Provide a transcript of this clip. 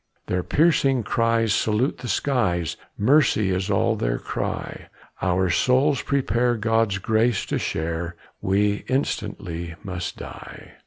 Their piercing cries salute the skies Mercy is all their cry: "Our souls prepare God's grace to share, We instantly must die."